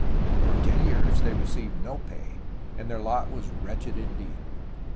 For ten years they received no pay, and their lot was wretched indeed.